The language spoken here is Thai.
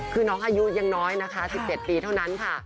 คือน้องอายุยังน้อยนะคะ๑๗ปีเท่านั้นค่ะ